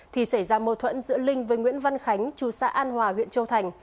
thì xảy ra mâu thuẫn giữa linh với nguyễn văn khánh chú xã an hòa huyện châu thành